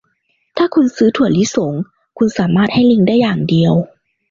ถ้าคุณซื้อถั่วลิสง คุณสามารถให้ลิงได้อย่างเดียว